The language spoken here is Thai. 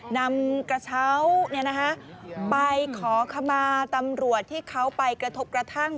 นำกระเช้าไปขอขมาตำรวจที่เขาไปกระทบกระทั่ง